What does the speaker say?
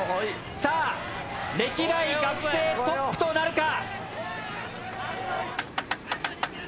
さあ歴代学生トップとなるか。